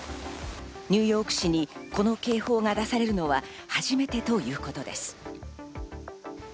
ニューヨーク市にこの警報が出されるのは初めてということです。